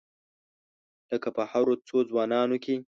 لکه په هرو څو ځوانانو کې.